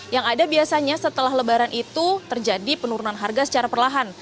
yang ada biasanya setelah lebaran itu terjadi penurunan harga secara perlahan